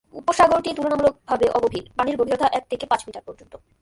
উপসাগরটি তুলনামূলকভাবে অগভীর, পানির গভীরতা এক থেকে পাঁচ মিটার পর্যন্ত।